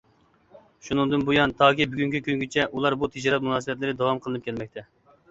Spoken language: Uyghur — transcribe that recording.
شۇنىڭدىن بۇيان تاكى بۈگۈنكى كۈنگىچە ئۇلار بۇ تىجارەت مۇناسىۋەتلىرى داۋام قىلىنىپ كەلمەكتە.